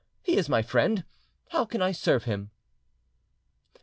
He is my friend. How can I serve him?"